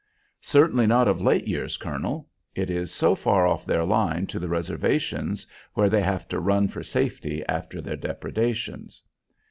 "Certainly not of late years, colonel. It is so far off their line to the reservations where they have to run for safety after their depredations."